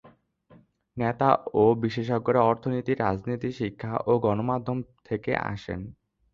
নেতা ও বিশেষজ্ঞরা অর্থনীতি, রাজনীতি, শিক্ষা ও গণমাধ্যম থেকে আসেন।